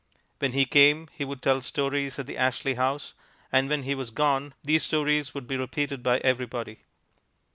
When he came he would tell stories at the Ashley House, and when he was gone these stories would be repeated by everybody.